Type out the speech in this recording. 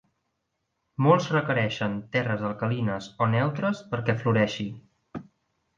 Molts requereixen terres alcalines o neutres perquè floreixi.